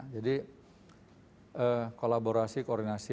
jadi kolaborasi koordinasi